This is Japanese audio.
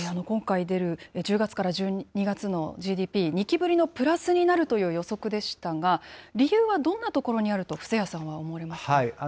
今回出る１０月から１２月のＧＤＰ、２期ぶりのプラスになるという予測でしたが、理由はどんなところにあると、布施谷さんは思われますか。